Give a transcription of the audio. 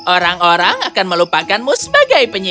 orang orang akan melupakanmu sebagai penyiksa